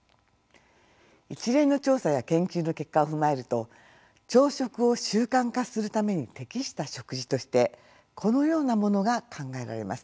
一連の調査や研究の結果を踏まえると朝食を習慣化するために適した食事としてこのようなモノが考えられます。